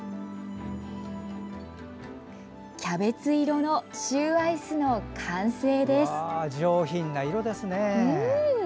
キャベツ色のシューアイスの完成です。